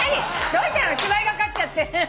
どうしたの芝居がかっちゃって。